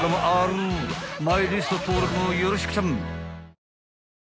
［マイリスト登録もよろしくちゃん］